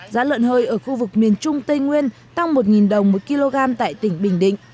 giá lợn hơi ở khu vực miền trung tây nguyên tăng một đồng một kg tại tỉnh bình định